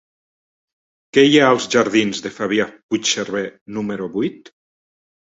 Què hi ha als jardins de Fabià Puigserver número vuit?